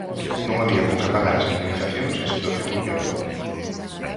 Non había con que pagar as indemnizacións e a situación empeorou.